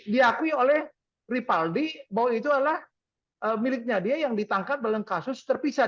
diakui oleh ripaldi bahwa itu adalah miliknya dia yang ditangkap dalam kasus terpisah